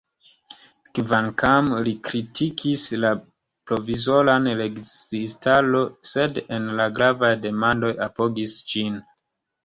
Kvankam li kritikis la provizoran registaron, sed en la gravaj demandoj apogis ĝin.